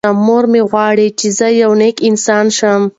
مور مې غواړي چې زه یو نېک انسان شم.